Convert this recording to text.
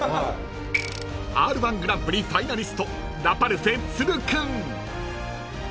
［Ｒ−１グランプリファイナリスト］